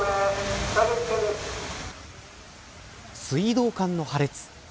水道管の破裂。